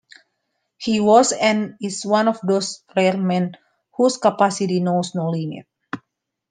He was and is one of those rare men whose capacity knows no limit.